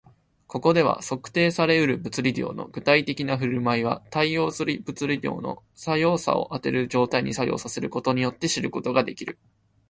ここでは、測定され得る物理量の具体的な振る舞いは、対応する物理量の作用素をある状態に作用させることによって知ることができる